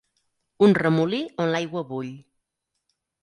Un remolí on l'aigua bull.